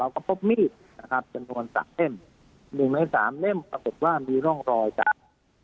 ก็พบมีดนะครับจำนวนสามเล่มหนึ่งในสามเล่มปรากฏว่ามีร่องรอยจาก